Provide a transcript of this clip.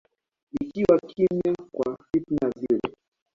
ikiwa kimya kwa fitna zile